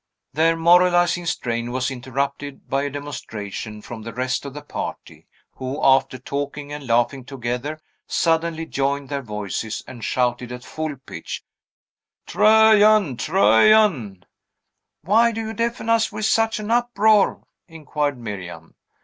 Their moralizing strain was interrupted by a demonstration from the rest of the party, who, after talking and laughing together, suddenly joined their voices, and shouted at full pitch, "Trajan! Trajan!" "Why do you deafen us with such an uproar?" inquired Miriam.